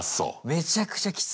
めちゃくちゃきつい。